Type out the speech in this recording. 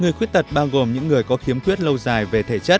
người khuyết tật bao gồm những người có khiếm khuyết lâu dài về thể chất